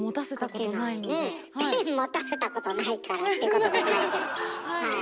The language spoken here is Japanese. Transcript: ペン持たせたことないからってこともないけどはい。